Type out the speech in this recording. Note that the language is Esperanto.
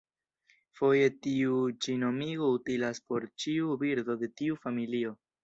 Foje tiu ĉi nomigo utilas por ĉiu birdo de tiu familio.